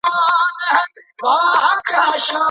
ولې کورني شرکتونه کیمیاوي سره له ازبکستان څخه واردوي؟